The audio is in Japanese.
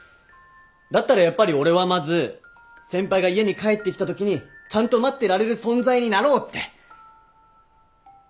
だったらやっぱり俺はまず先輩が家に帰ってきたときにちゃんと待ってられる存在になろうって。